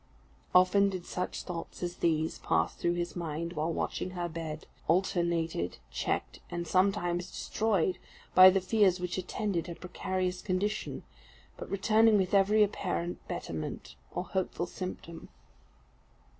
Often did such thoughts as these pass through his mind while watching by her bed; alternated, checked, and sometimes destroyed, by the fears which attended her precarious condition, but returning with every apparent betterment or hopeful symptom.